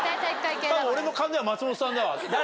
俺の勘では松本さんだわ誰？